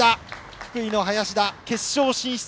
福井の林田、決勝進出。